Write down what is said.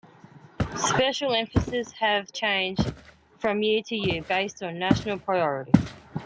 Special emphases have changed from year to year based on national priorities.